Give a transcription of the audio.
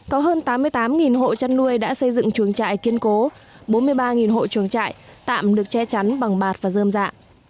có hơn tám mươi tám hộ chăn nuôi đã xây dựng chuồng trại kiên cố bốn mươi ba hộ chuồng trại tạm được che chắn bằng bạt và dơm dạ